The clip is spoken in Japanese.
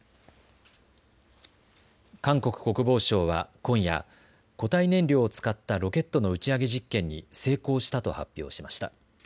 韓国国防省は今夜固体燃料を使ったロケットの打ち上げ実験に成功したと発表しました。